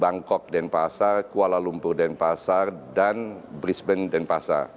bangkok dan pasar kuala lumpur dan pasar dan brisbane dan pasar